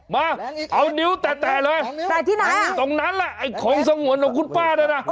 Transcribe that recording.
มาเอานิ้วแต่เลยตรงนั้นละไอ้ของสงวนของคุณป้าเนี่ยนะ